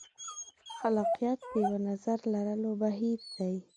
خلاقیت د یوه نظر لرلو بهیر دی.